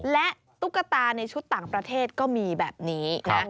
และตุ๊กตาในชุดต่างประเทศก็มีแบบนี้นะ